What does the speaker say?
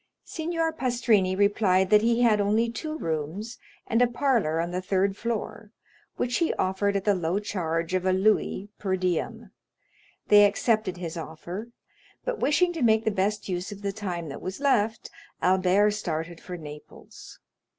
Signor Pastrini replied that he had only two rooms and a parlor on the third floor, which he offered at the low charge of a louis per diem. They accepted his offer; but wishing to make the best use of the time that was left, Albert started for Naples.